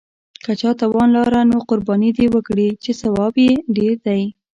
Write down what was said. که چا توان لاره نو قرباني دې وکړي، چې ثواب یې ډېر دی.